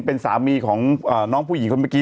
เป็นสามีของน้องผู้หญิงคนเมื่อกี้